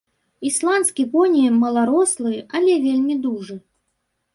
Ісландскі поні маларослы, але вельмі дужы.